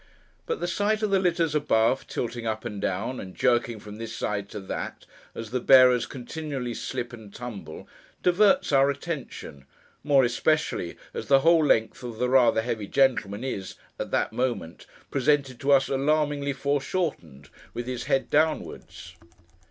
But the sight of the litters above, tilting up and down, and jerking from this side to that, as the bearers continually slip and tumble, diverts our attention; more especially as the whole length of the rather heavy gentleman is, at that moment, presented to us alarmingly foreshortened, with his head downwards.